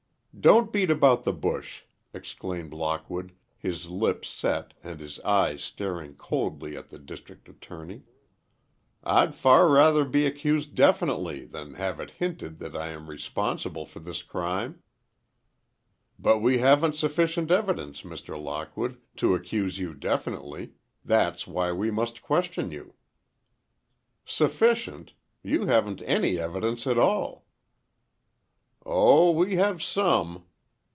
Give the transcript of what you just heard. "Don't beat about the bush!" exclaimed Lockwood, his lips set, and his eyes staring coldly at the District Attorney. "I'd far rather be accused definitely than have it hinted that I am responsible for this crime." "But we haven't sufficient evidence, Mr. Lockwood, to accuse you definitely, that's why we must question you." "Sufficient! You haven't any evidence at all!" "Oh, we have some."